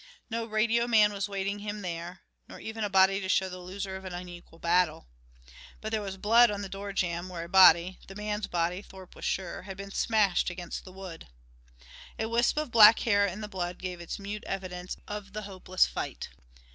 No radio man was waiting him there, nor even a body to show the loser of an unequal battle. But there was blood on the door jamb where a body the man's body, Thorpe was sure had been smashed against the wood. A wisp of black hair in the blood gave its mute evidence of the hopeless fight.